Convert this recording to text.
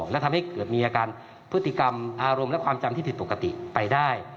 และทำให้เกิดมีอาการพฤติกรรมอารมณ์และความจำที่ผิดปกติไปได้